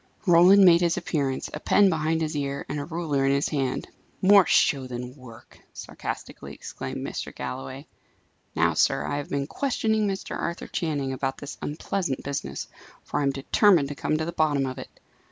Roland made his appearance, a pen behind his ear, and a ruler in his hand. "More show than work!" sarcastically exclaimed Mr. Galloway. "Now, sir, I have been questioning Mr. Arthur Channing about this unpleasant business, for I am determined to come to the bottom of it.